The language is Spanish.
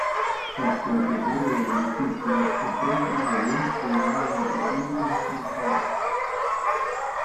El propietario del edificio ofrece a beber o da una propina a los trabajadores.